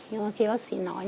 nhưng mà khi bác sĩ nói